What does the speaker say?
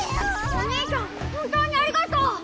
おにいちゃん本当にありがとう。